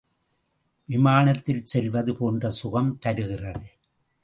விமானத்தில் செல்வது போன்ற சுகம் தருகிறது.